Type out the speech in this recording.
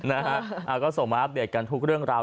นะฮะก็ส่งมาอัปเดตกันทุกเรื่องราว